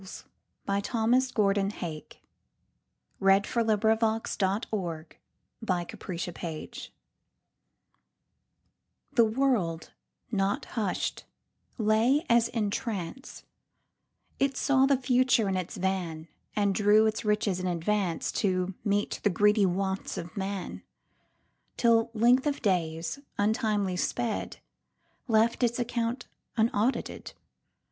1895. Thomas Gordon Hake 1809–94 Old Souls THE WORLD, not hush'd, lay as in trance; It saw the future in its van, And drew its riches in advanceTo meet the greedy wants of man; Till length of days, untimely sped, Left its account unaudited.